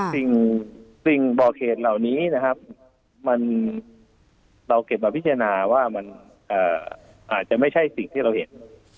สิ่งบ่อเคนเหล่านี้นะครับเราเก็บมาพิจารณาว่ามันอาจจะไม่ใช่สิ่งที่เราเห็น